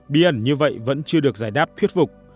bí ẩn như vậy vẫn chưa được giải đáp thuyết phục